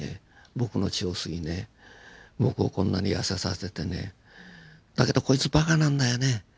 僕の血を吸いね僕をこんなに痩せさせてねだけどこいつバカなんだよね。